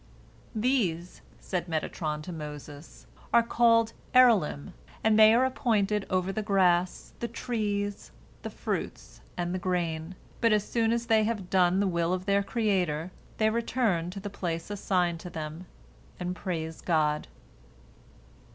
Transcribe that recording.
"These," said Metatron to Moses, "are called Erelim, and they are appointed over the grass, the trees, the fruits, and the grain, but as soon as they have done the will of their Creator, they return to the place assigned to them, and praise God."